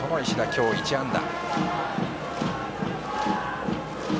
今日、１安打。